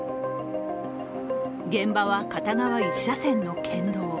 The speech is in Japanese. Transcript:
現場は片側１車線の県道。